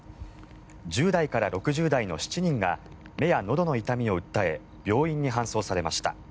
１０代から６０代の７人が目やのどの痛みを訴え病院に搬送されました。